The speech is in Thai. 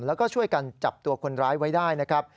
แล้วก็ช่วยกันจับตัวคนร้ายไว้ได้นะครับ